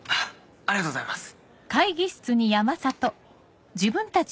ありがとうございます。